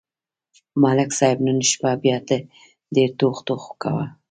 ملک صاحب نن شپه بیا ډېر ټوخ ټوخ کاوه.